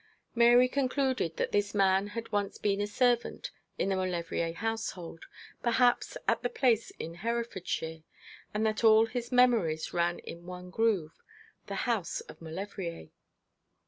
Mary concluded that this man had once been a servant in the Maulevrier household, perhaps at the place in Herefordshire, and that all his old memories ran in one groove the house of Maulevrier.